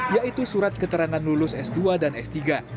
yaitu surat keterangan lulus s dua dan s tiga